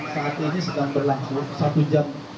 saat ini sedang berlangsung satu jam